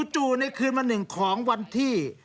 จู่ในคืนวัน๑ของวันที่